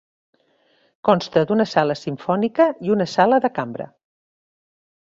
Consta d'una sala simfònica, i una sala de cambra.